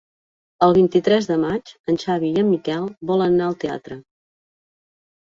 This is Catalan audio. El vint-i-tres de maig en Xavi i en Miquel volen anar al teatre.